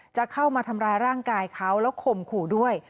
จะเข้ามาทำร้ายร่างกายเขาแล้วข่มขู่ด้วย